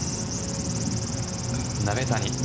鍋谷。